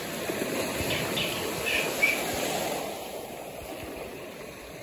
Пич пычкемышым шӱтет